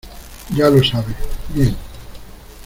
ya lo sabe. bien .